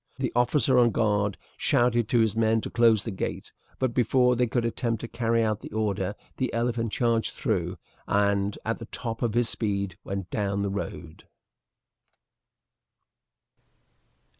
The officer on guard shouted to his men to close the gate, but before they could attempt to carry out the order the elephant charged through, and at the top of his speed went down the road.